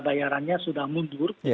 bayarannya sudah mundur